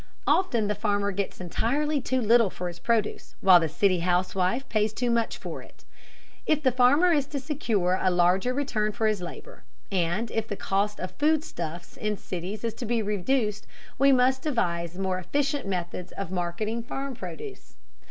Often the farmer gets entirely too little for his produce, while the city housewife pays too much for it. If the farmer is to secure a larger return for his labor, and if the cost of foodstuffs in cities is to be reduced, we must devise more efficient methods of marketing farm produce.